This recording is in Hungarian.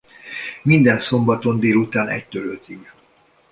Minden szombaton délután egytől ötig.